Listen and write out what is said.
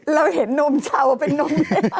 เราเห็นนมเช้าเป็นนม